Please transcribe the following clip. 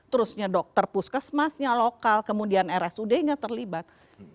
terusnya dokter puskesmasnya lokal kemudian rsud nya terlibat